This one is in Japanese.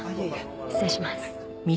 失礼します。